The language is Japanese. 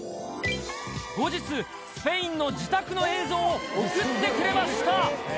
後日、スペインの自宅の映像を送ってくれました。